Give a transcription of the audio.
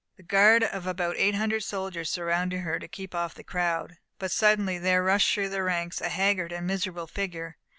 A guard of about eight hundred soldiers surrounded her to keep off the crowd, but suddenly there rushed through their ranks a haggard and miserable figure.